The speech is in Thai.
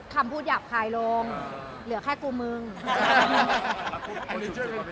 หลายประกาศของเราก็มี